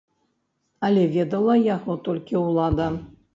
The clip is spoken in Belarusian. Але ведала яго толькі ўлада.